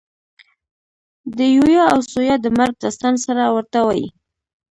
د یویا او ثویا د مرګ داستان سره ورته وي.